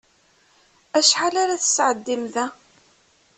Acḥal ara tesɛeddim da?